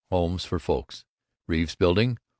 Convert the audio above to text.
Homes for Folks Reeves Bldg.